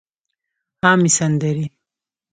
عامې سندرې